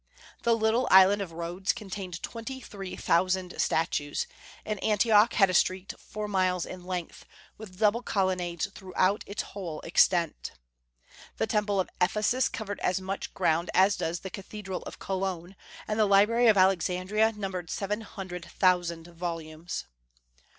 The little island of Rhodes contained twenty three thousand statues, and Antioch had a street four miles in length, with double colonnades throughout its whole extent. The temple of Ephesus covered as much ground as does the cathedral of Cologne, and the library of Alexandria numbered seven hundred thousand volumes.